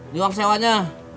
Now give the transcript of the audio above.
di uang sewanya